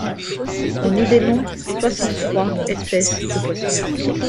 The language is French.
On y dénombre soixante-trois espèces de poissons.